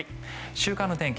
週間の天気